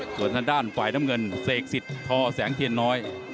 ส่วนทางด้านฝ่ายน้ำเงินเสกสิทธิ์ทอแสงเทียนน้อย